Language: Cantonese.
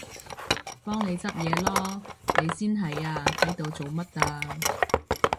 幫你執嘢囉！你先係啊，喺度做乜啊？